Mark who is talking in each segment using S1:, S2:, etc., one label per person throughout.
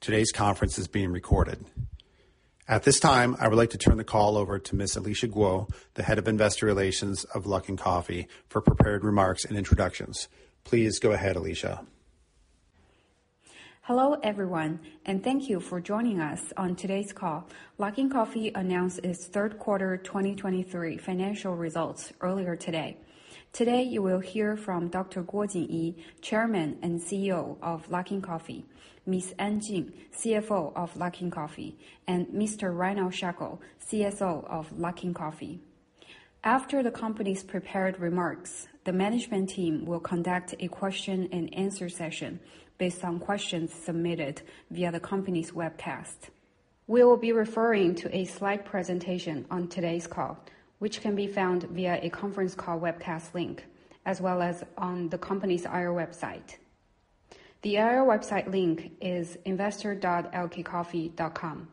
S1: Today's conference is being recorded. At this time, I would like to turn the call over to Ms. Alicia Guo, the Head of Investor Relations of Luckin Coffee, for prepared remarks and introductions. Please go ahead, Alicia.
S2: Hello, everyone, and thank you for joining us on today's call. Luckin Coffee announced its third quarter 2023 financial results earlier today. Today, you will hear from Dr. Jinyi Guo, Chairman and CEO of Luckin Coffee, Ms. Jing An, CFO of Luckin Coffee, and Mr. Reinout Schakel, CSO of Luckin Coffee. After the company's prepared remarks, the management team will conduct a question and answer session based on questions submitted via the company's webcast. We will be referring to a slide presentation on today's call, which can be found via a conference call webcast link, as well as on the company's IR website. The IR website link is investor.luckincoffee.com.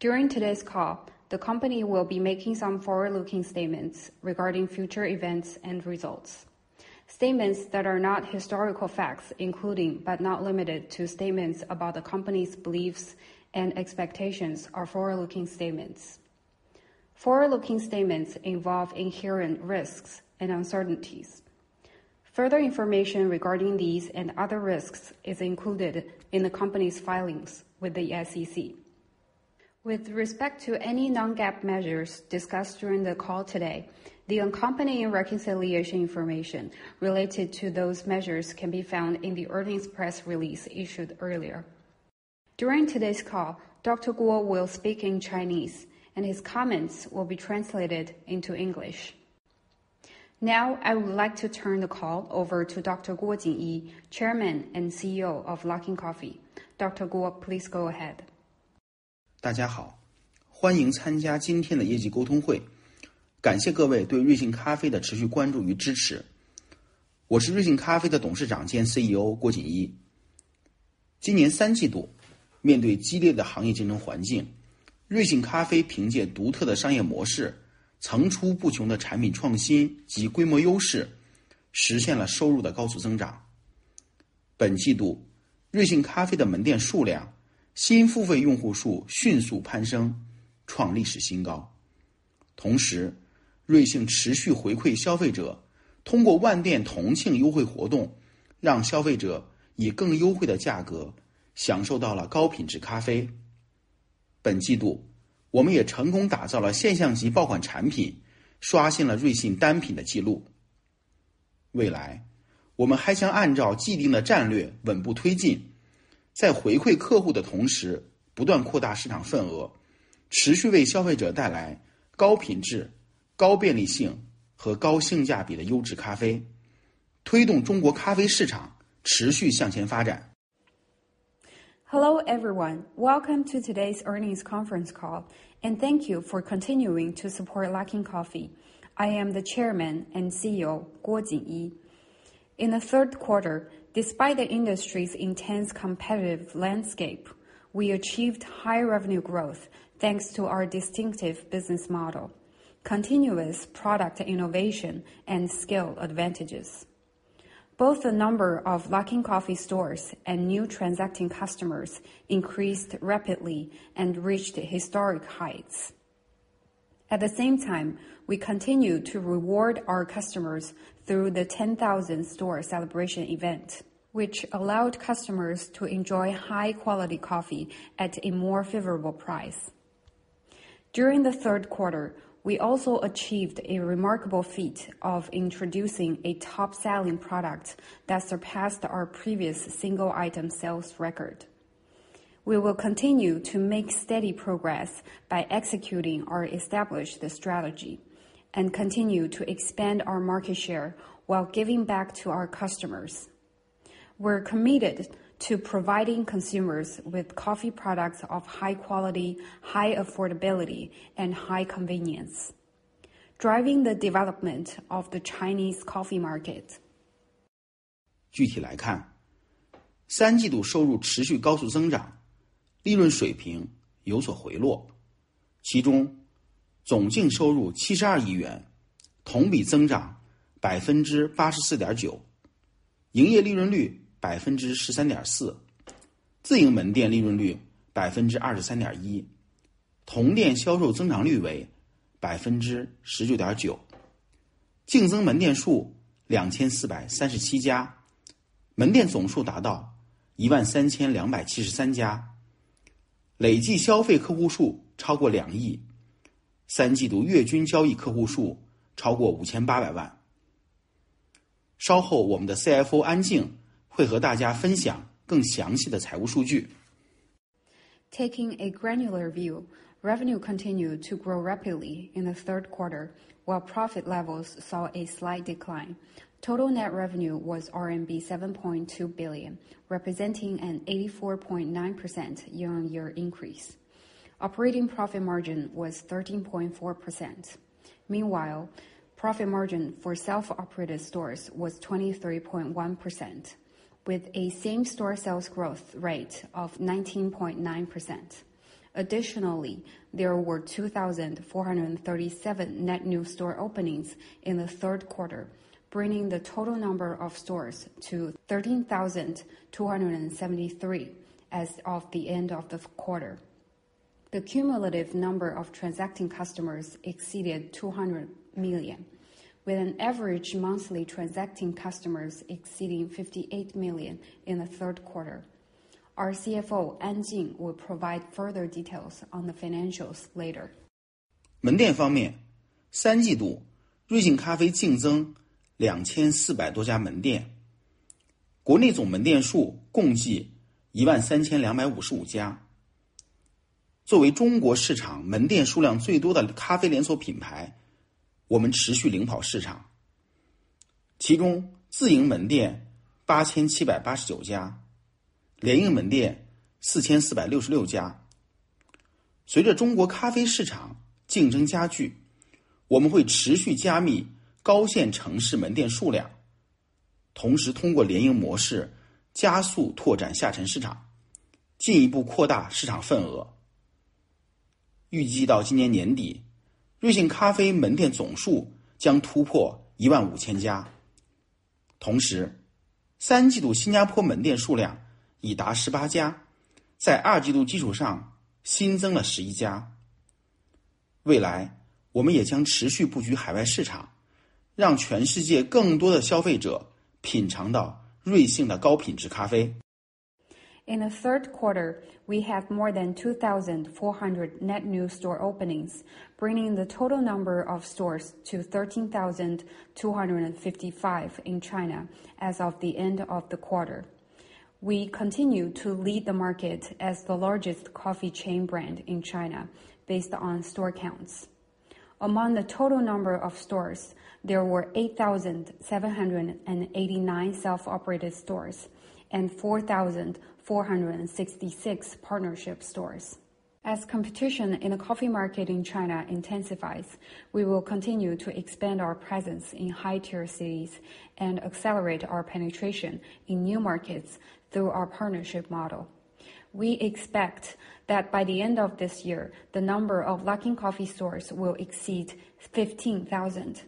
S2: During today's call, the company will be making some forward-looking statements regarding future events and results. Statements that are not historical facts, including but not limited to statements about the company's beliefs and expectations, are forward-looking statements. Forward-looking statements involve inherent risks and uncertainties. Further information regarding these and other risks is included in the company's filings with the SEC. With respect to any non-GAAP measures discussed during the call today, the accompanying reconciliation information related to those measures can be found in the earnings press release issued earlier. During today's call, Dr. Jinyi Guo will speak in Chinese, and his comments will be translated into English. Now, I would like to turn the call over to Dr. Jinyi Guo, Chairman and CEO of Luckin Coffee. Dr. Jinyi Guo, please go ahead.
S3: Hello, everyone. Welcome to today's earnings conference call, and thank you for continuing to support Luckin Coffee. I am the Chairman and CEO, Jinyi Guo. In the third quarter, despite the industry's intense competitive landscape, we achieved high revenue growth, thanks to our distinctive business model, continuous product innovation, and skill advantages. Both the number of Luckin Coffee stores and new transacting customers increased rapidly and reached historic heights. At the same time, we continued to reward our customers through the 10,000-store celebration event, which allowed customers to enjoy high quality coffee at a more favorable price. During the third quarter, we also achieved a remarkable feat of introducing a top-selling product that surpassed our previous single item sales record. We will continue to make steady progress by executing our established strategy and continue to expand our market share while giving back to our customers. We're committed to providing consumers with coffee products of high quality, high affordability, and high convenience, driving the development of the Chinese coffee market.
S4: 具体来看，三季度收入持续高速增长，利润水平有所回落，其中总净收入 CNY 72 亿元，同比增长 84.9%，营业利润率 13.4%，自营门店利润率 23.1%。同店销售增长率为 19.9%，净增门店数 2,437 家，门店总数达到 13,273 家。累计消费客户数超过 2 亿，三季度月均交易客户数超过 5,800 万。稍后，我们的 CFO 安静会和大家分享更详细的财务数据。
S3: Taking a granular view, revenue continued to grow rapidly in the third quarter, while profit levels saw a slight decline. Total net revenue was RMB 7.2 billion, representing an 84.9% year-on-year increase. Operating profit margin was 13.4%. Meanwhile, profit margin for self-operated stores was 23.1%, with a same-store sales growth rate of 19.9%.... Additionally, there were 2,437 net new store openings in the third quarter, bringing the total number of stores to 13,273 as of the end of the quarter. The cumulative number of transacting customers exceeded 200 million, with an average monthly transacting customers exceeding 58 million in the third quarter. Our CFO, Jing An, will provide further details on the financials later. In the third quarter, we had more than 2,400 net new store openings, bringing the total number of stores to 13,255 in China as of the end of the quarter. We continue to lead the market as the largest coffee chain brand in China based on store counts. Among the total number of stores, there were 8,789 self-operated stores and 4,466 partnership stores. As competition in the coffee market in China intensifies, we will continue to expand our presence in high tier cities and accelerate our penetration in new markets through our partnership model. We expect that by the end of this year, the number of Luckin Coffee stores will exceed 15,000. At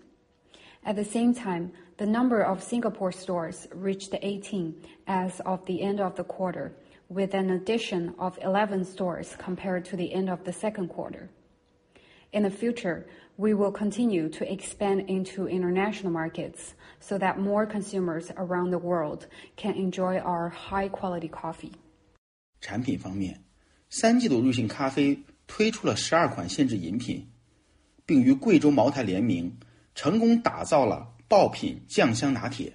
S3: the same time, the number of Singapore stores reached 18 as of the end of the quarter, with an addition of 11 stores compared to the end of the second quarter. In the future, we will continue to expand into international markets so that more consumers around the world can enjoy our high quality coffee.
S4: In terms of products, in the third quarter Luckin Coffee launched 12 limited drinks, and collaborated with Kweichow Moutai to successfully create the blockbuster product Jiangxiang Latte,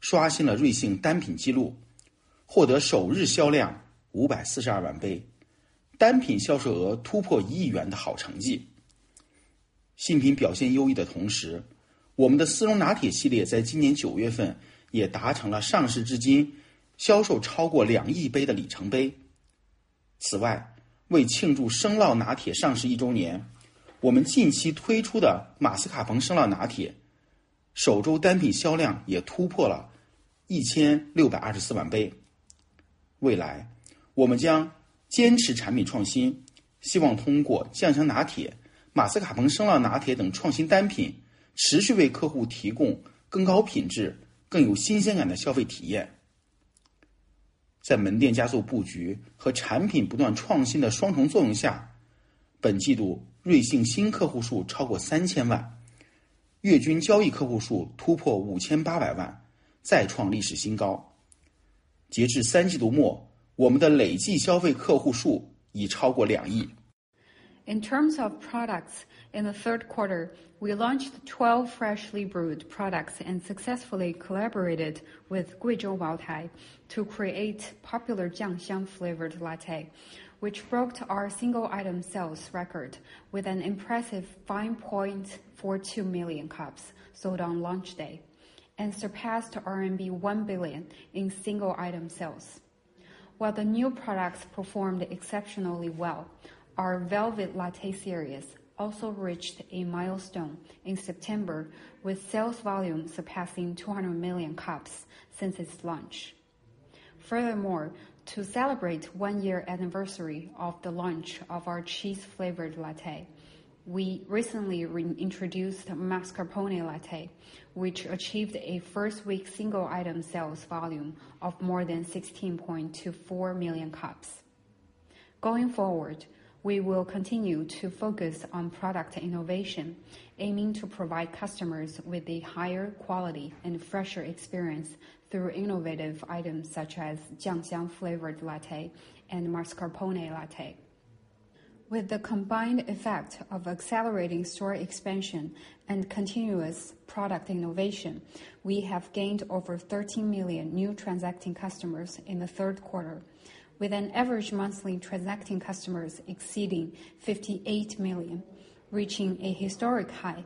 S4: refreshing the Luckin single product record, achieving first-day sales of 5.42 million cups, single product sales exceeding CNY 100 million good results. While new products performed excellently, our Velvet Latte series in September this year also achieved the milestone of sales exceeding 200 million cups since launch. In addition, to celebrate the one-year anniversary of the cheese latte launch, our recently launched Mascarpone Latte, first-week single product sales also exceeded 16.24 million cups. In the future, we will adhere to product innovation, hoping through Jiangxiang Latte, Mascarpone Latte and other innovative single products, to continuously provide customers with higher quality, more fresh consumption experiences. Under the dual effects of store acceleration layout and product continuous innovation, this quarter Luckin new customer count exceeded 30 million, monthly average transaction customer count broke through 58 million, once again setting a new historical high. As of the end of the third quarter, our cumulative consumption customer count has exceeded 200 million.
S3: In terms of products, in the third quarter, we launched 12 freshly brewed products and successfully collaborated with Kweichow Moutai to create popular Jiangxiang Latte, which broke our single item sales record with an impressive 5.42 million cups sold on launch day and surpassed RMB 1 billion in single item sales. While the new products performed exceptionally well, our Velvet Latte series also reached a milestone in September, with sales volume surpassing 200 million cups since its launch. Furthermore, to celebrate 1-year anniversary of the launch of our cheese flavored latte, we recently re-introduced Mascarpone Latte, which achieved a first week single item sales volume of more than 16.24 million cups. Going forward, we will continue to focus on product innovation, aiming to provide customers with a higher quality and fresher experience through innovative items such as Jiangxiang flavored latte and Mascarpone Latte. With the combined effect of accelerating store expansion and continuous product innovation, we have gained over 13 million new transacting customers in the third quarter, with an average monthly transacting customers exceeding 58 million, reaching a historic high.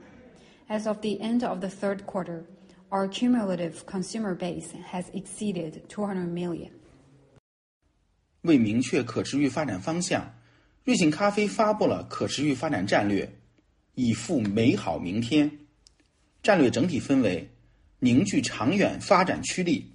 S3: As of the end of the third quarter, our cumulative consumer base has exceeded 200 million.
S4: 为明确可持续发展方向，瑞幸咖啡发布了可持续发展战略，以赴美好明天。战略整体分为凝聚长远发展驱力。...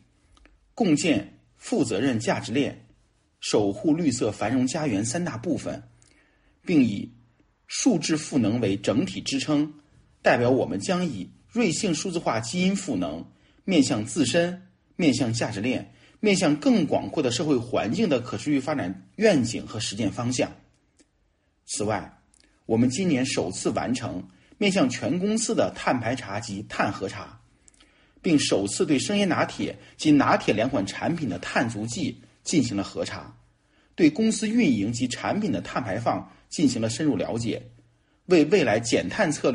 S3: We have formulated a sustainable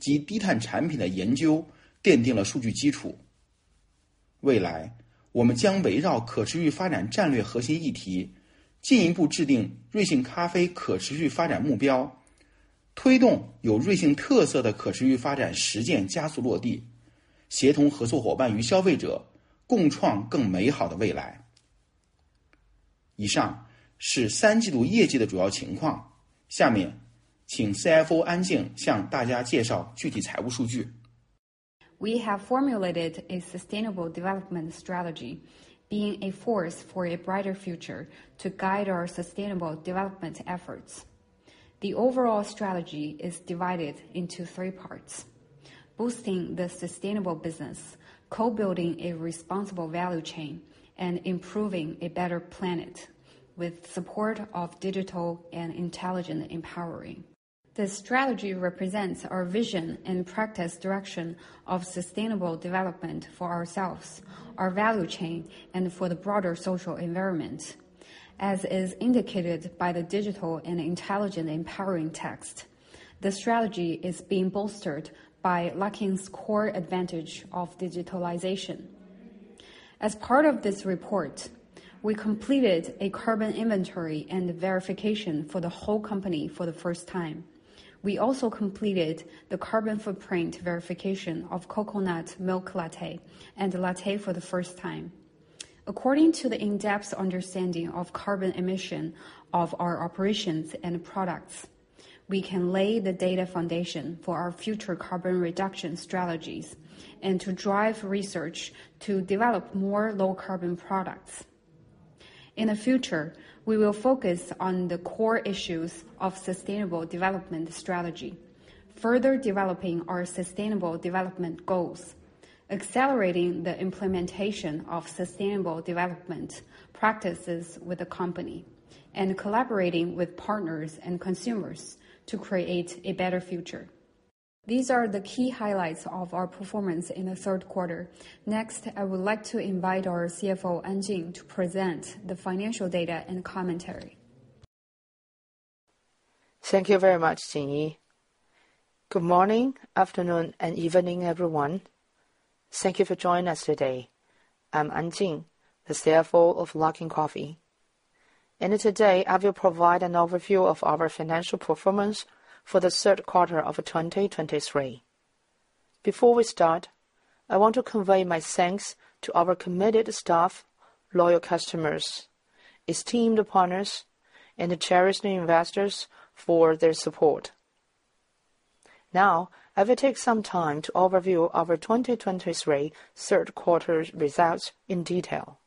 S3: development strategy, being a force for a brighter future to guide our sustainable development efforts. The overall strategy is divided into three parts: boosting the sustainable business, co-building a responsible value chain, and improving a better planet with support of digital and intelligent empowering. The strategy represents our vision and practice direction of sustainable development for ourselves, our value chain, and for the broader social environment. As is indicated by the digital and intelligent empowering text, the strategy is being bolstered by Luckin's core advantage of digitalization. As part of this report, we completed a carbon inventory and verification for the whole company for the first time. We also completed the carbon footprint verification of coconut milk latte and latte for the first time. According to the in-depth understanding of carbon emission of our operations and products, we can lay the data foundation for our future carbon reduction strategies and to drive research to develop more low-carbon products. In the future, we will focus on the core issues of sustainable development strategy, further developing our sustainable development goals, accelerating the implementation of sustainable development practices with the company, and collaborating with partners and consumers to create a better future. These are the key highlights of our performance in the third quarter. Next, I would like to invite our CFO, Jing An, to present the financial data and commentary.
S5: Thank you very much, Jinyi. Good morning, afternoon, and evening, everyone. Thank you for joining us today. I'm Jing An, the CFO of Luckin Coffee, and today, I will provide an overview of our financial performance for the third quarter of 2023. Before we start, I want to convey my thanks to our committed staff, loyal customers, esteemed partners, and the cherished investors for their support. Now, I will take some time to overview our 2023 third quarter results in detail.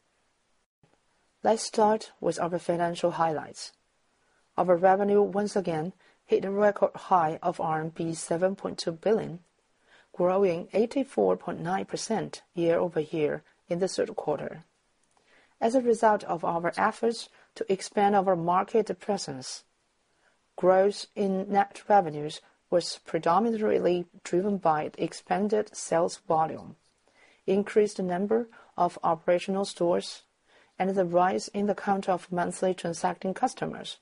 S5: Let's start with our financial highlights. Our revenue once again hit a record high of RMB 7.2 billion, growing 84.9% year-over-year in the third quarter. As a result of our efforts to expand our market presence, growth in net revenues was predominantly driven by expanded sales volume, increased number of operational stores, and the rise in the count of monthly transacting customers.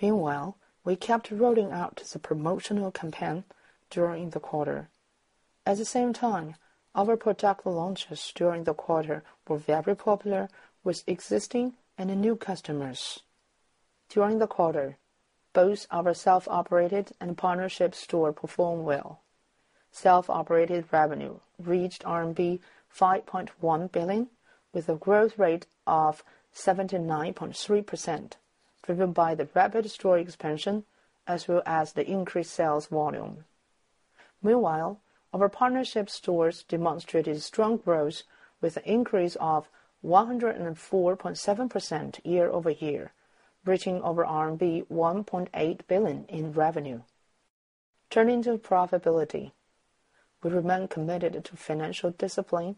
S5: Meanwhile, we kept rolling out the promotional campaign during the quarter. At the same time, our product launches during the quarter were very popular with existing and new customers. During the quarter, both our self-operated and partnership store performed well. Self-operated revenue reached RMB 5.1 billion, with a growth rate of 79.3%, driven by the rapid store expansion, as well as the increased sales volume. Meanwhile, our partnership stores demonstrated strong growth with an increase of 104.7% year-over-year, reaching over RMB 1.8 billion in revenue. Turning to profitability, we remain committed to financial discipline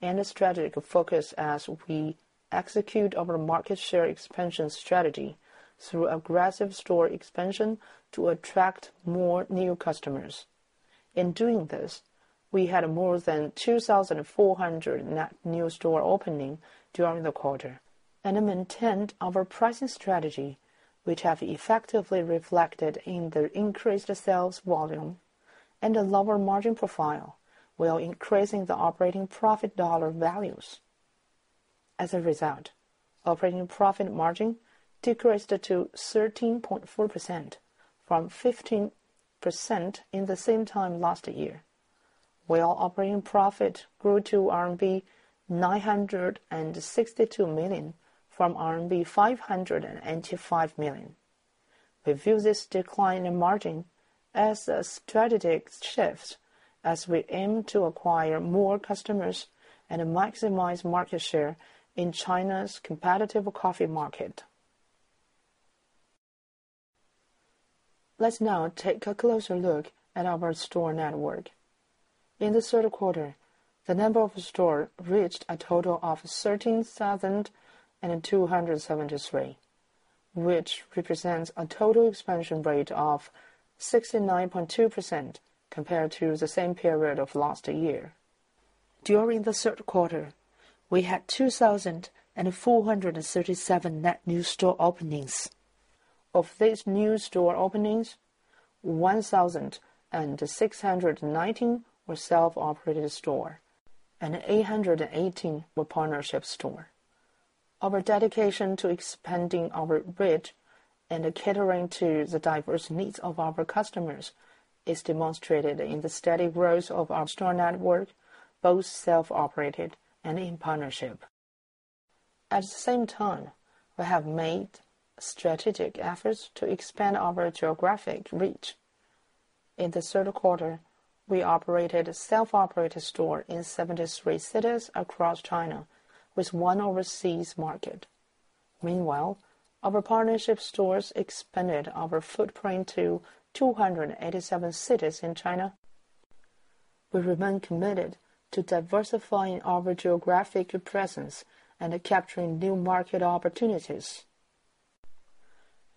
S5: and a strategic focus as we execute our market share expansion strategy through aggressive store expansion to attract more new customers. In doing this, we had more than 2,400 net new store opening during the quarter and maintained our pricing strategy, which have effectively reflected in the increased sales volume and a lower margin profile, while increasing the operating profit dollar values. As a result, operating profit margin decreased to 13.4% from 15% in the same time last year, while operating profit grew to RMB 962 million from RMB 595 million.... We view this decline in margin as a strategic shift, as we aim to acquire more customers and maximize market share in China's competitive coffee market. Let's now take a closer look at our store network. In the third quarter, the number of stores reached a total of 13,273, which represents a total expansion rate of 69.2% compared to the same period of last year. During the third quarter, we had 2,437 net new store openings. Of these new store openings, 1,619 were self-operated stores and 818 were partnership stores. Our dedication to expanding our reach and catering to the diverse needs of our customers is demonstrated in the steady growth of our store network, both self-operated and in partnership. At the same time, we have made strategic efforts to expand our geographic reach. In the third quarter, we operated self-operated stores in 73 cities across China, with one overseas market. Meanwhile, our partnership stores expanded our footprint to 287 cities in China. We remain committed to diversifying our geographic presence and capturing new market opportunities.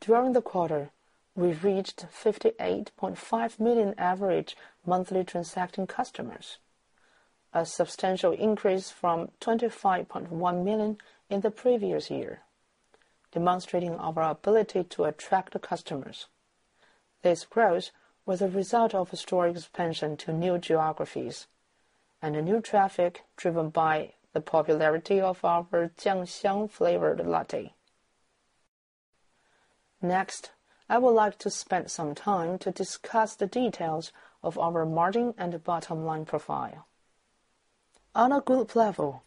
S5: During the quarter, we reached 58.5 million average monthly transacting customers, a substantial increase from 25.1 million in the previous year, demonstrating our ability to attract the customers. This growth was a result of store expansion to new geographies and a new traffic, driven by the popularity of our Jiangxiang flavored latte. Next, I would like to spend some time to discuss the details of our margin and bottom line profile. On a group level,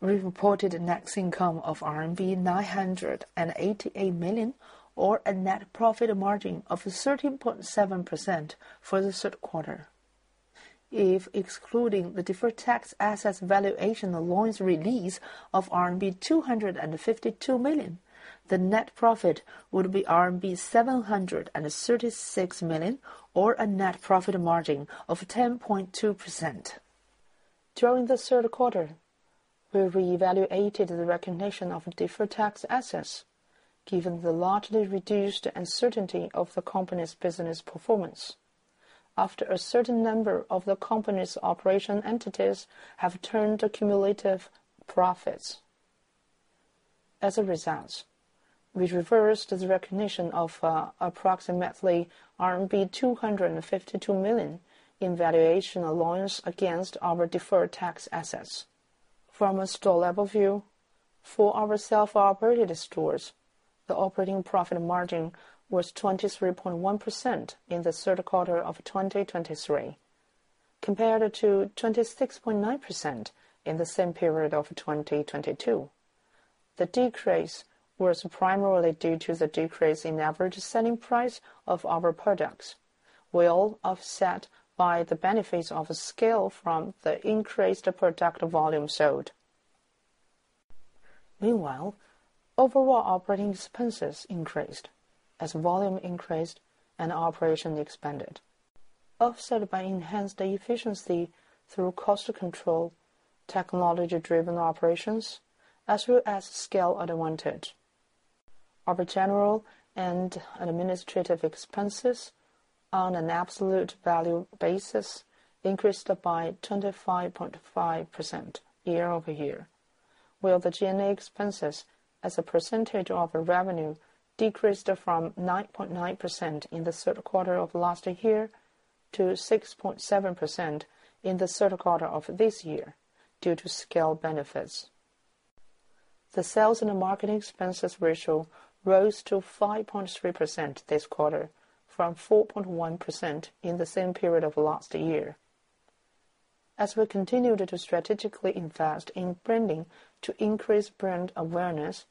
S5: we reported a net income of RMB 988 million, or a net profit margin of 13.7% for the third quarter. If excluding the deferred tax assets valuation allowance release of RMB 252 million, the net profit would be RMB 736 million, or a net profit margin of 10.2%. During the third quarter, we reevaluated the recognition of deferred tax assets, given the largely reduced uncertainty of the company's business performance. After a certain number of the company's operation entities have turned to cumulative profits. As a result, we reversed the recognition of, approximately RMB 252 million in valuation allowance against our deferred tax assets. From a store level view, for our self-operated stores, the operating profit margin was 23.1% in the third quarter of 2023, compared to 26.9% in the same period of 2022. The decrease was primarily due to the decrease in average selling price of our products, well offset by the benefits of scale from the increased product volume sold. Meanwhile, overall operating expenses increased as volume increased and operation expanded, offset by enhanced efficiency through cost control, technology-driven operations, as well as scale advantage. Our general and administrative expenses on an absolute value basis increased by 25.5% year-over-year, while the G&A expenses as a percentage of revenue decreased from 9.9% in the third quarter of last year to 6.7% in the third quarter of this year, due to scale benefits. The sales and marketing expenses ratio rose to 5.3% this quarter from 4.1% in the same period of last year, as we continued to strategically invest in branding to increase brand awareness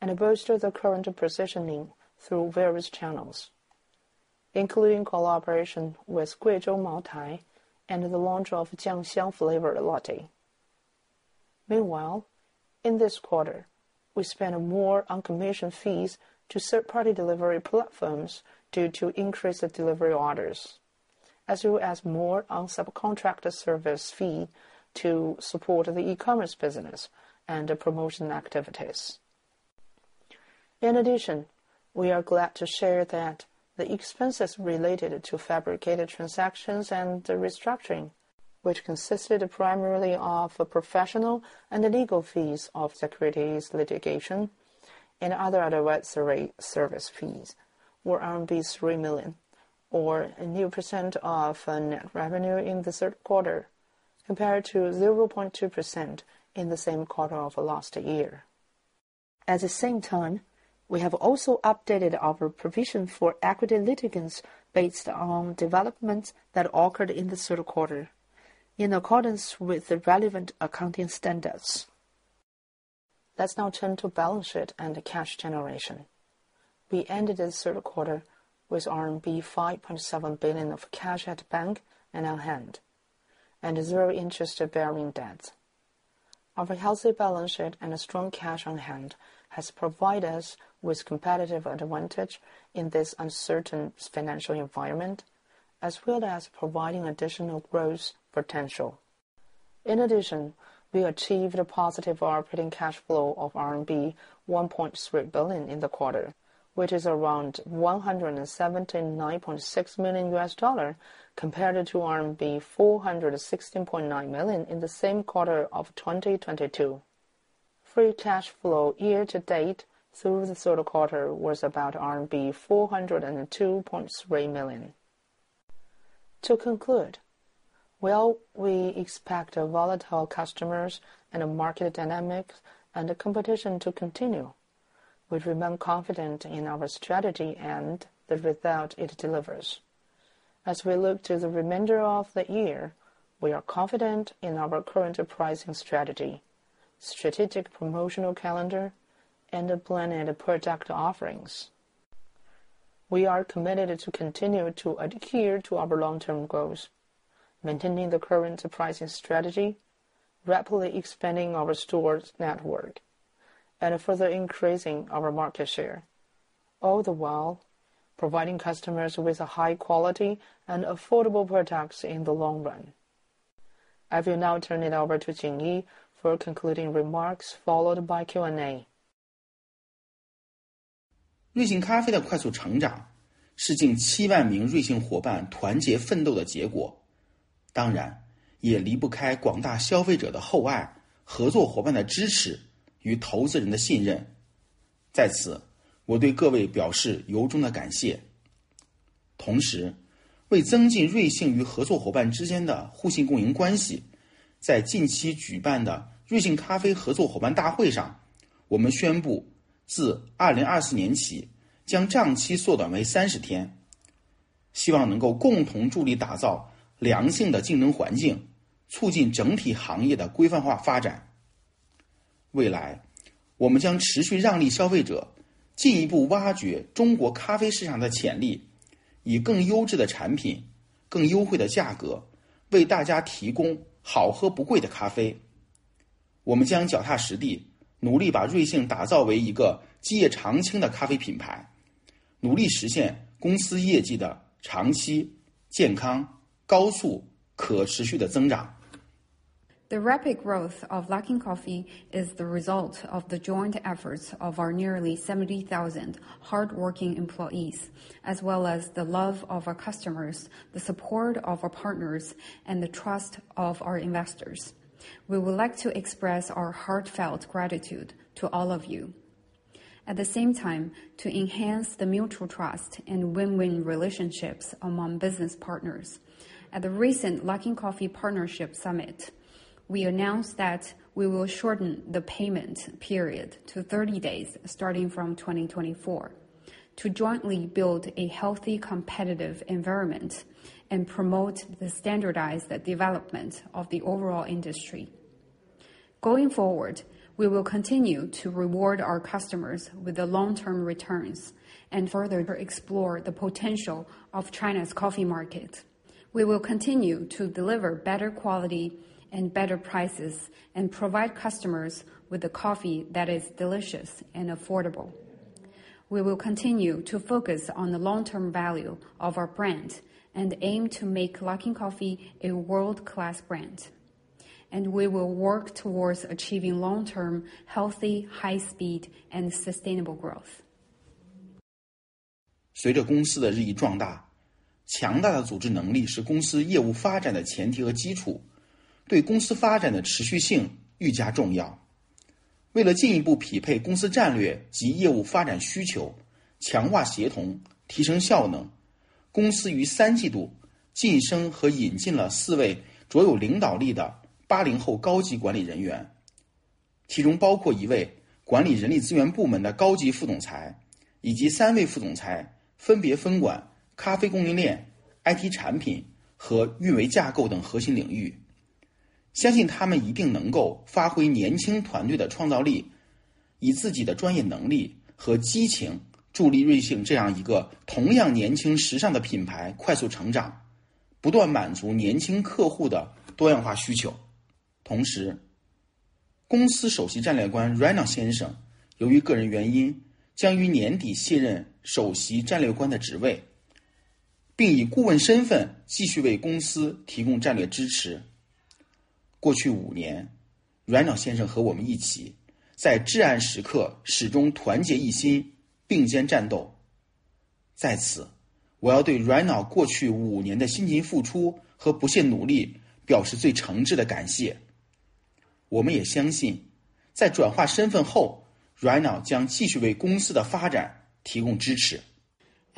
S5: and bolster the current positioning through various channels, including collaboration with Kweichow Moutai and the launch of Jiangxiang flavored latte. Meanwhile, in this quarter, we spent more on commission fees to third-party delivery platforms due to increased delivery orders, as well as more on subcontractor service fee to support the e-commerce business and the promotion activities. In addition, we are glad to share that the expenses related to fabricated transactions and the restructuring, which consisted primarily of professional and legal fees of securities litigation, and other advisory service fees, were 3 million, or 0.1% of net revenue in the third quarter, compared to 0.2% in the same quarter of last year. At the same time, we have also updated our provision for equity litigation based on developments that occurred in the third quarter, in accordance with the relevant accounting standards. ...Let's now turn to balance sheet and cash generation. We ended the third quarter with RMB 5.7 billion of cash at bank and on hand, and 0 interest-bearing debt. Our healthy balance sheet and a strong cash on hand has provided us with competitive advantage in this uncertain financial environment, as well as providing additional growth potential. In addition, we achieved a positive operating cash flow of RMB 1.3 billion in the quarter, which is around $179.6 million, compared to RMB 416.9 million in the same quarter of 2022. Free cash flow year-to-date through the third quarter was about RMB 402.3 million. To conclude, while we expect our volatile customers and market dynamics and the competition to continue, we remain confident in our strategy and the result it delivers. As we look to the remainder of the year, we are confident in our current pricing strategy, strategic promotional calendar, and expanded product offerings. We are committed to continue to adhere to our long-term goals, maintaining the current pricing strategy, rapidly expanding our stores network, and further increasing our market share, all the while providing customers with a high quality and affordable products in the long run. I will now turn it over to Jinyi for concluding remarks, followed by Q&A.
S3: The rapid growth of Luckin Coffee is the result of the joint efforts of our nearly 70,000 hardworking employees, as well as the love of our customers, the support of our partners, and the trust of our investors. We would like to express our heartfelt gratitude to all of you. At the same time, to enhance the mutual trust and win-win relationships among business partners, at the recent Luckin Coffee Partnership Summit, we announced that we will shorten the payment period to 30 days starting from 2024, to jointly build a healthy competitive environment and promote the standardized development of the overall industry. Going forward, we will continue to reward our customers with the long-term returns and further explore the potential of China's coffee market. We will continue to deliver better quality and better prices, and provide customers with a coffee that is delicious and affordable. We will continue to focus on the long-term value of our brand and aim to make Luckin Coffee a world-class brand, and we will work towards achieving long-term, healthy, high speed, and sustainable growth.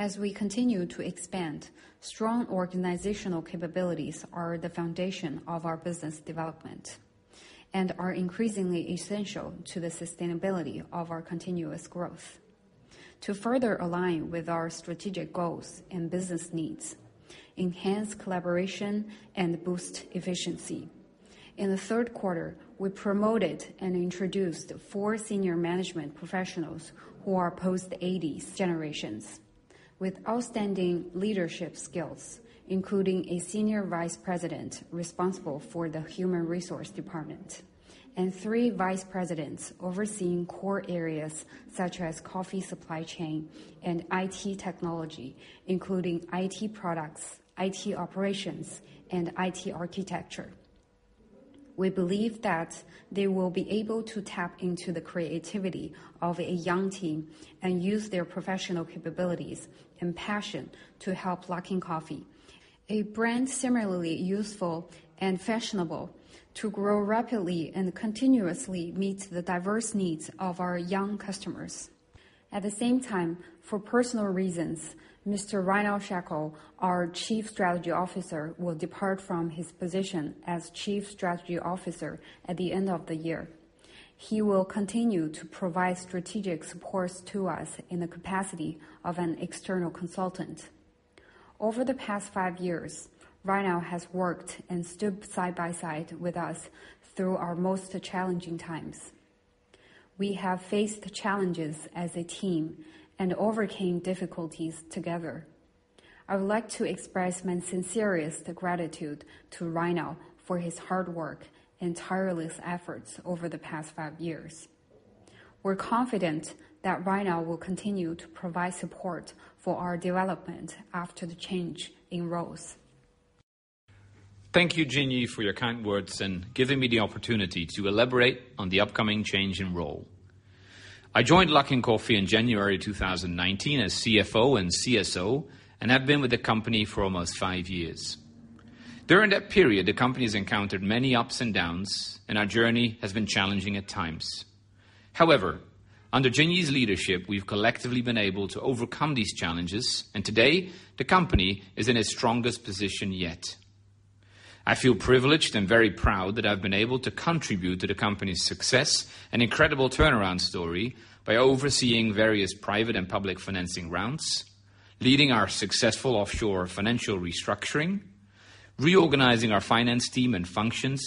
S3: As we continue to expand, strong organizational capabilities are the foundation of our business development, and are increasingly essential to the sustainability of our continuous growth.... to further align with our strategic goals and business needs, enhance collaboration, and boost efficiency. In the third quarter, we promoted and introduced four senior management professionals who are post 80s generations, with outstanding leadership skills, including a senior vice president, responsible for the human resource department, and three vice presidents overseeing core areas such as coffee supply chain and IT technology, including IT products, IT operations, and IT architecture. We believe that they will be able to tap into the creativity of a young team and use their professional capabilities and passion to help Luckin Coffee, a brand similarly useful and fashionable, to grow rapidly and continuously meet the diverse needs of our young customers. At the same time, for personal reasons, Mr. Reinout Schakel, our Chief Strategy Officer, will depart from his position as Chief Strategy Officer at the end of the year. He will continue to provide strategic supports to us in the capacity of an external consultant. Over the past five years, Reinout has worked and stood side by side with us through our most challenging times. We have faced challenges as a team and overcame difficulties together. I would like to express my sincerest gratitude to Reinout for his hard work and tireless efforts over the past five years. We're confident that Reinout will continue to provide support for our development after the change in roles.
S6: Thank you, Jinyi, for your kind words and giving me the opportunity to elaborate on the upcoming change in role. I joined Luckin Coffee in January 20, 2019 as CFO and CSO, and have been with the company for almost five years. During that period, the company has encountered many ups and downs, and our journey has been challenging at times. However, under Jinyi's leadership, we've collectively been able to overcome these challenges, and today, the company is in its strongest position yet. I feel privileged and very proud that I've been able to contribute to the company's success and incredible turnaround story by overseeing various private and public financing rounds, leading our successful offshore financial restructuring, reorganizing our finance team and functions,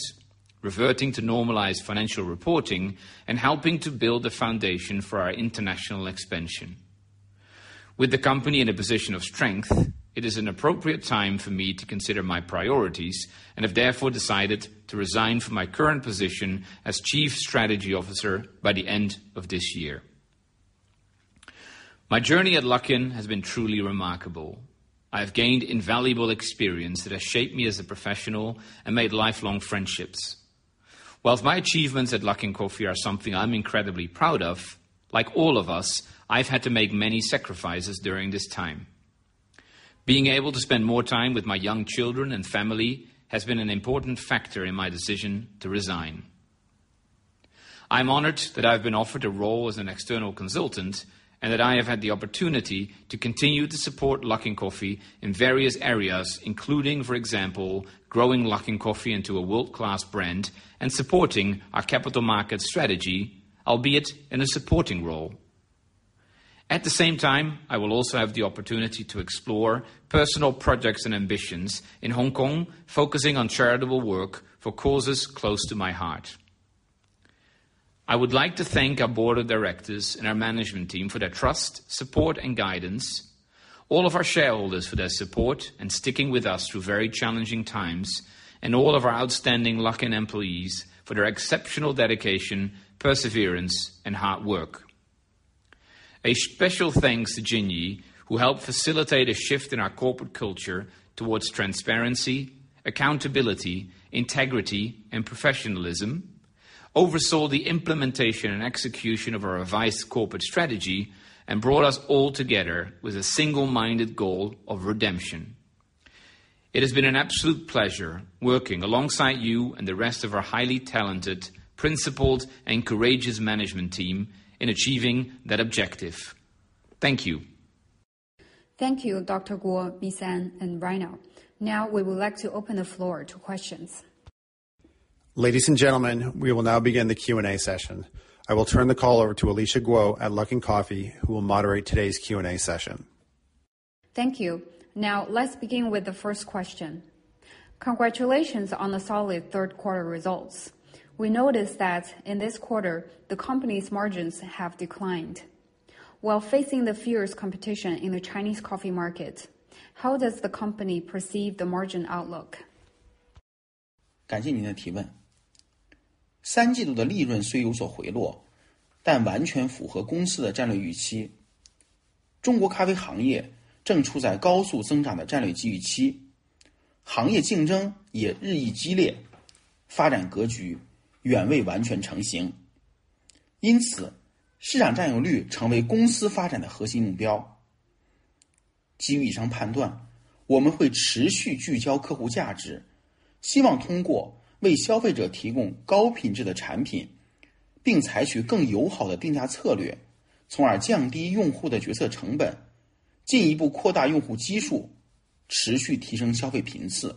S6: reverting to normalized financial reporting, and helping to build the foundation for our international expansion. With the company in a position of strength, it is an appropriate time for me to consider my priorities and have therefore decided to resign from my current position as Chief Strategy Officer by the end of this year. My journey at Luckin has been truly remarkable. I have gained invaluable experience that has shaped me as a professional and made lifelong friendships. While my achievements at Luckin Coffee are something I'm incredibly proud of, like all of us, I've had to make many sacrifices during this time. Being able to spend more time with my young children and family has been an important factor in my decision to resign. I'm honored that I've been offered a role as an external consultant, and that I have had the opportunity to continue to support Luckin Coffee in various areas, including, for example, growing Luckin Coffee into a world-class brand and supporting our capital market strategy, albeit in a supporting role. At the same time, I will also have the opportunity to explore personal projects and ambitions in Hong Kong, focusing on charitable work for causes close to my heart. I would like to thank our board of directors and our management team for their trust, support, and guidance, all of our shareholders for their support and sticking with us through very challenging times, and all of our outstanding Luckin employees for their exceptional dedication, perseverance, and hard work. A special thanks to Jinyi Guo, who helped facilitate a shift in our corporate culture towards transparency, accountability, integrity, and professionalism, oversaw the implementation and execution of our revised corporate strategy, and brought us all together with a single-minded goal of redemption. It has been an absolute pleasure working alongside you and the rest of our highly talented, principled, and courageous management team in achieving that objective. Thank you.
S2: Thank you, Dr. Guo, Ms. An, and Reinout. Now, we would like to open the floor to questions.
S1: Ladies and gentlemen, we will now begin the Q&A session. I will turn the call over to Alicia Guo at Luckin Coffee, who will moderate today's Q&A session.
S2: Thank you. Now, let's begin with the first question. Congratulations on the solid third quarter results. We noticed that in this quarter, the company's margins have declined. While facing the fierce competition in the Chinese coffee market, how does the company perceive the margin outlook?
S4: 感谢您的提问。三季度的利润虽有所回落，但完全符合公司的战略预期。中国咖啡行业正处于高速增长的战略机遇期，行业竞争也日益激烈，发展格局远未完全成型。因此，市场占有率成为公司发展的核心目标。基于以上判断，我们会持续聚焦客户价值，希望通过为消费者提供高品质的产品，并采取更友好的定价策略，从而降低用户的决策成本，进一步扩大用户基数，持续提升消费频次。...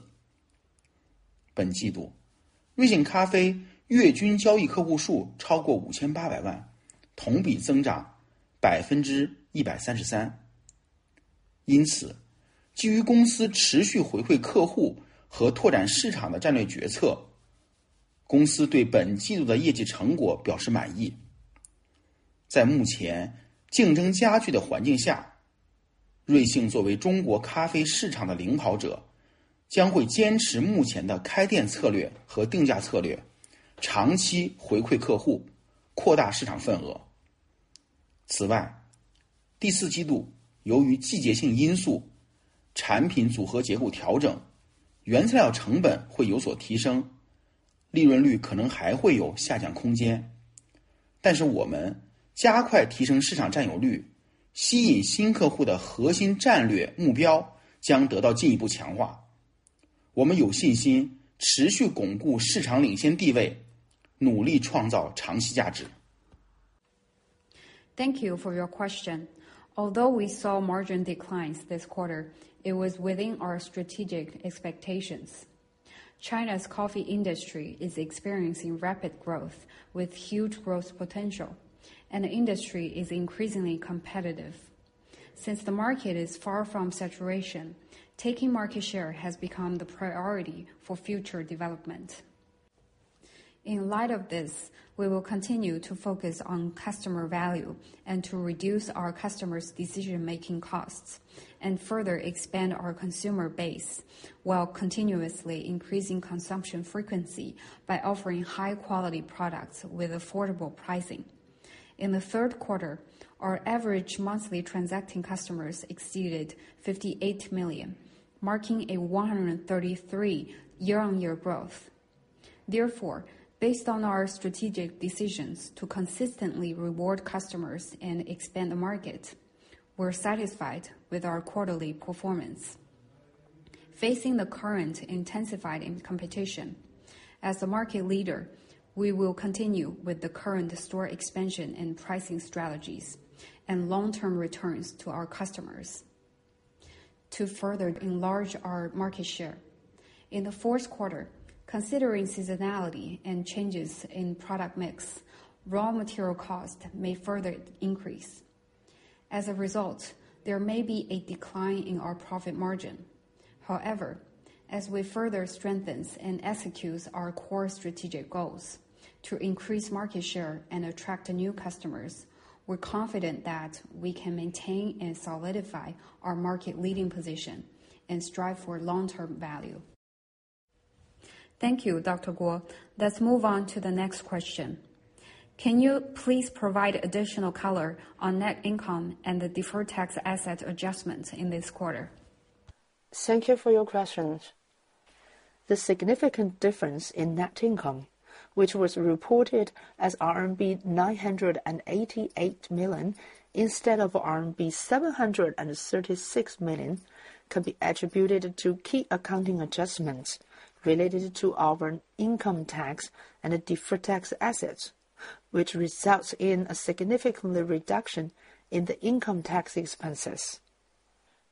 S3: Thank you for your question. Although we saw margin declines this quarter, it was within our strategic expectations. China's coffee industry is experiencing rapid growth with huge growth potential, and the industry is increasingly competitive. Since the market is far from saturation, taking market share has become the priority for future development. In light of this, we will continue to focus on customer value and to reduce our customers' decision-making costs, and further expand our consumer base, while continuously increasing consumption frequency by offering high-quality products with affordable pricing. In the third quarter, our average monthly transacting customers exceeded 58 million, marking a 133% year-over-year growth. Therefore, based on our strategic decisions to consistently reward customers and expand the market, we're satisfied with our quarterly performance. Facing the current intensified competition, as a market leader, we will continue with the current store expansion and pricing strategies and long-term returns to our customers to further enlarge our market share. In the fourth quarter, considering seasonality and changes in product mix, raw material costs may further increase. As a result, there may be a decline in our profit margin. However, as we further strengthens and executes our core strategic goals to increase market share and attract new customers, we're confident that we can maintain and solidify our market leading position and strive for long-term value.
S2: Thank you, Dr. Guo. Let's move on to the next question. Can you please provide additional color on net income and the deferred tax asset adjustments in this quarter?
S5: Thank you for your question. The significant difference in net income, which was reported as RMB 988 million instead of RMB 736 million, could be attributed to key accounting adjustments related to our income tax and the Deferred Tax Assets, which results in a significant reduction in the income tax expenses.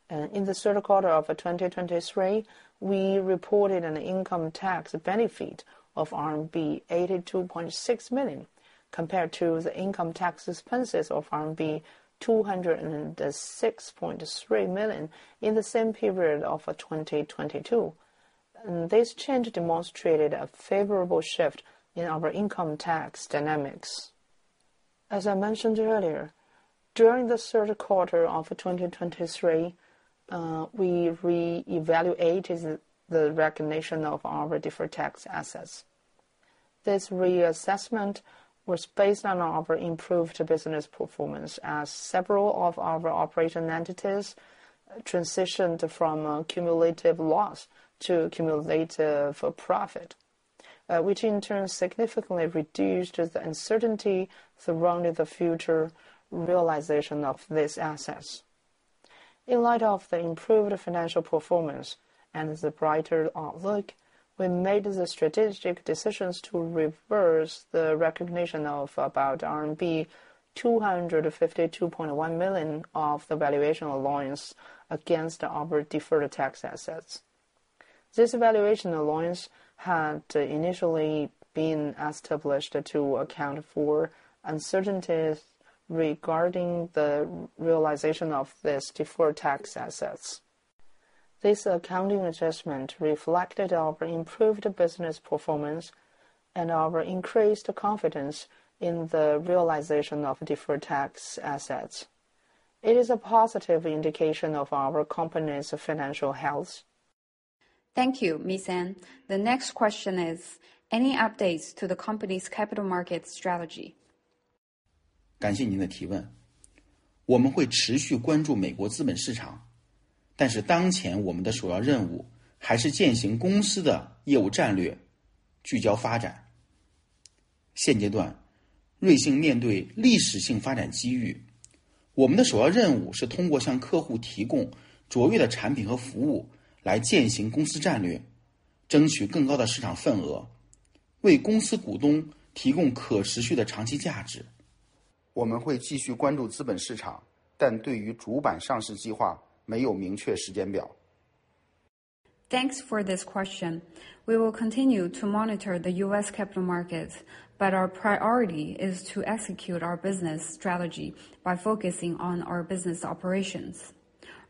S5: In the third quarter of 2023, we reported an income tax benefit of RMB 82.6 million, compared to the income tax expenses of RMB 206.3 million in the same period of 2022. And this change demonstrated a favorable shift in our income tax dynamics. As I mentioned earlier, during the third quarter of 2023, we re-evaluated the recognition of our Deferred Tax Assets. This reassessment was based on our improved business performance as several of our operation entities transitioned from a cumulative loss to cumulative profit, which in turn significantly reduced the uncertainty surrounding the future realization of these assets. In light of the improved financial performance and the brighter outlook, we made the strategic decisions to reverse the recognition of about RMB 252.1 million of the valuation allowance against our deferred tax assets. This valuation allowance had initially been established to account for uncertainties regarding the realization of these deferred tax assets. This accounting adjustment reflected our improved business performance and our increased confidence in the realization of deferred tax assets. It is a positive indication of our company's financial health.
S2: Thank you, Ms. An. The next question is, any updates to the company's capital market strategy?
S4: 感谢您的提问。我们会继续关注美国资本市场，但是当前我们的首要任务还是践行公司的业务战略，聚焦发展。现阶段，瑞幸面临历史性发展机遇，我们的首要任务是通过向客户提供卓越的产品和服务，来践行公司战略，争取更高的市场份额，为公司股东提供可持续的长期价值。我们会继续关注资本市场，但是对于主板上市计划没有明确时间表。
S3: Thanks for this question. We will continue to monitor the U.S. capital markets, but our priority is to execute our business strategy by focusing on our business operations.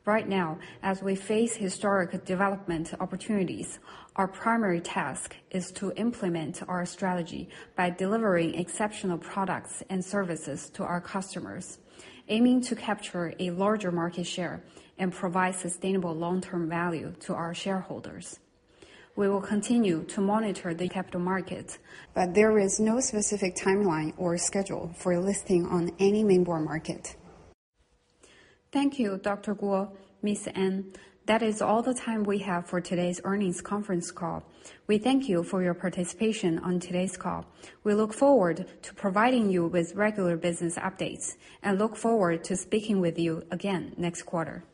S3: Right now, as we face historic development opportunities, our primary task is to implement our strategy by delivering exceptional products and services to our customers, aiming to capture a larger market share and provide sustainable long-term value to our shareholders. We will continue to monitor the capital markets, but there is no specific timeline or schedule for listing on any main board market.
S2: Thank you, Dr. Guo, Ms. An. That is all the time we have for today's earnings conference call. We thank you for your participation on today's call. We look forward to providing you with regular business updates and look forward to speaking with you again next quarter.